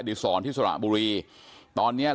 แม่โชคดีนะไม่ถึงตายนะ